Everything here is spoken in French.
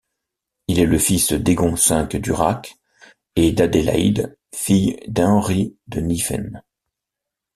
Il est le fils d'Egon V d'Urach et d'Adelaïde, fille d'Heinri de Niffen.